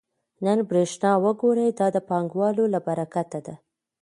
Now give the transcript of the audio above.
نن برېښنا وګورئ دا د پانګوالو له برکته ده